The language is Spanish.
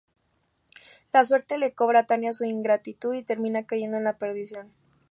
La suerte le cobra a Tania su ingratitud, y termina cayendo en la perdición.